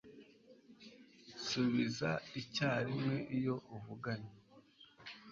Subiza icyarimwe iyo uvuganye